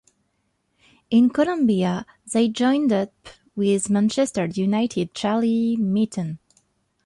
In Colombia they joined up with Manchester United's Charlie Mitten.